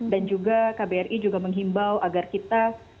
dan juga kbri juga menghimbau agar kita